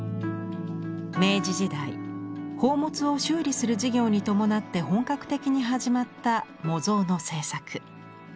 明治時代宝物を修理する事業に伴って本格的に始まった模造の制作。